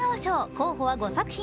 候補は５作品。